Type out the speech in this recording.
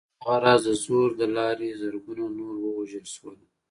دغه راز د زور له لارې زرګونه نور ووژل شول